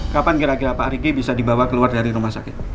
kapan kira kira pak riki bisa dibawa keluar dari rumah sakit